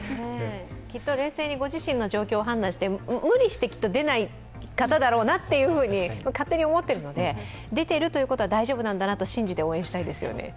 きっと冷静にご自身の状況を判断して、無理して出ない方だろうなと勝手に思っているので出ているということは、大丈夫なんだなと信じて応援したいですね。